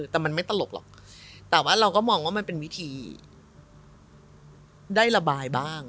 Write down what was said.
แต่มันไม่ตลกหรอกแต่ว่าเราก็มองว่ามันเป็นวิธีได้ระบายบ้าง